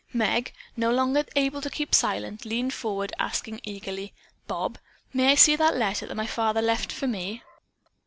Meg, no longer able to keep silent, leaned forward, asking eagerly, "Bob, may I see the letter that my father left for me?"